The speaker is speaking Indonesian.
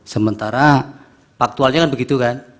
sementara faktualnya kan begitu kan